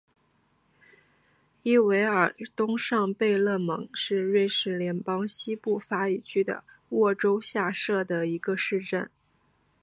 伊韦尔东上贝勒蒙是瑞士联邦西部法语区的沃州下设的一个市镇。